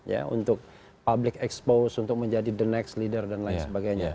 ya untuk public expose untuk menjadi the next leader dan lain sebagainya